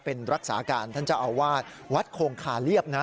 เป็นรักษาการท่านเจ้าอาวาสวัดโคงคาเลียบนะ